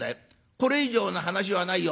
これ以上の話はないよ。